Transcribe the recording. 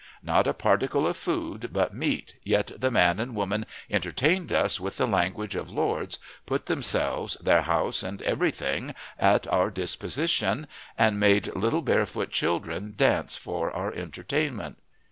Not a particle of food but meat, yet the man and woman entertained us with the language of lords put themselves, their house, and every thing, at our "disposition," and made little barefoot children dance for our entertainment.